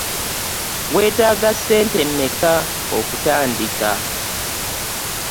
Weetaaga ssente mmeka okutandika?